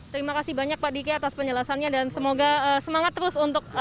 terima kasih banyak pak diki atas penjelasannya dan semoga semangat terus untuk